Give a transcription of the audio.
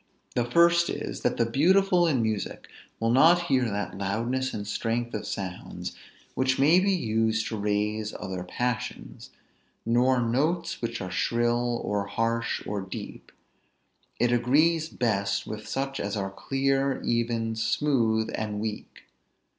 The first is; that the beautiful in music will not hear that loudness and strength of sounds, which may be used to raise other passions; nor notes which are shrill, or harsh, or deep; it agrees best with such as are clear, even, smooth, and weak.